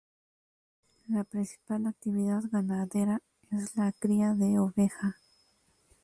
La principal actividad ganadera es la cría de oveja.